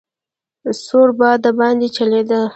سوړ باد دباندې چلېده.